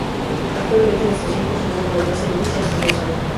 Actualmente la estación funciona como base de dicha asociación.